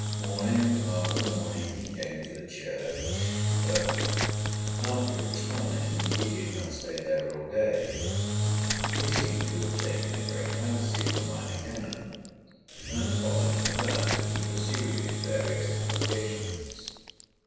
Morning after morning he came to the church, but after a time he did not stay there all day. He seemed to have taken a great fancy to the Minor Canon, and followed him about as he pursued his various avocations.